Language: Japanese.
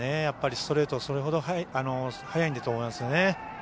ストレート、それほど速いんだと思いますね。